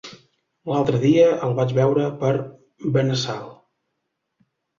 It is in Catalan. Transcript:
L'altre dia el vaig veure per Benassal.